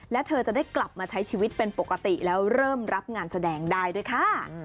และเธอจะได้กลับมาใช้ชีวิตเป็นปกติแล้วเริ่มรับงานแสดงได้ด้วยค่ะ